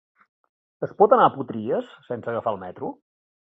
Es pot anar a Potries sense agafar el metro?